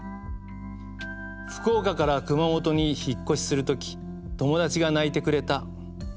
福岡から熊本に引っ越しするとき友達が泣いてくれた。